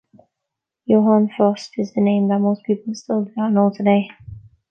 Johann Fust is the name that most people still do not know today.